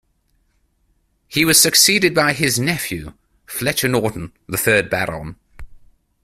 He was succeeded by his nephew, Fletcher Norton, the third Baron.